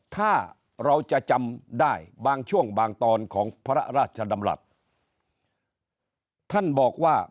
ถ้าเราจะจำได้บางช่วงบางตอนของพระราชดำรัฐท่านบอกว่า